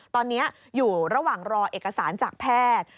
ตอนนี้อยู่ระหว่างรอเอกสารจากแพทย์